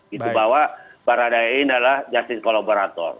gitu bahwa baradae ini adalah justice kolaborator